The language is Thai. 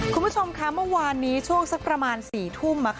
คุณผู้ชมคะเมื่อวานนี้ช่วงสักประมาณ๔ทุ่ม